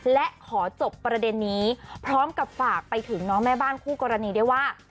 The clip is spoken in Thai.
และขอจบประเด็นนี้พร้อมกับฝากไปถึงน้องแม่บ้านคู่กรณีด้วยว่า